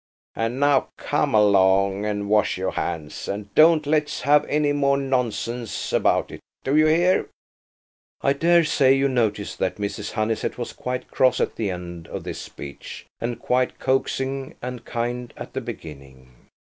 And now come along and wash your hands, and don't let's have any more nonsense about it. Do you hear?" I daresay you notice that Mrs. Honeysett was quite cross at the end of this speech and quite coaxing and kind at the beginning.